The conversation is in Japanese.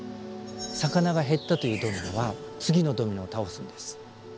魚が減ったというドミノは次のドミノを倒すんです。